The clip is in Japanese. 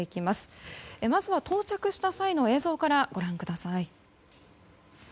まずは到着した際の映像からご覧ください。